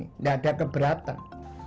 tidak ada keberatan